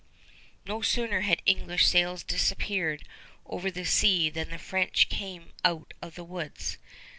No sooner had English sails disappeared over the sea than the French came out of the woods.